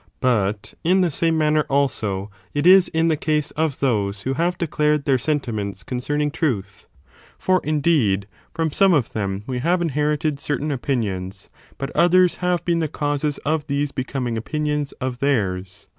But, in the same manner, also, it is in the case of those who have declared their senti ments concerning truth ; for, indeed, from some of them we have inherited certain opinions: but others have been the causes of these becoming opinions of theirs.